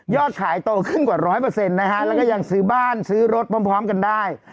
ขายโตขึ้นกว่าร้อยเปอร์เซ็นต์นะฮะแล้วก็ยังซื้อบ้านซื้อรถพร้อมกันได้